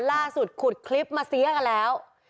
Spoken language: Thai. ล่าสุดขุดคลิปมาเสียกันแล้ว